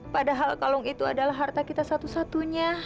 padahal kalung itu adalah harta kita satu satunya